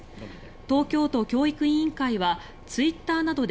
東京都教育委員会はツイッターなどで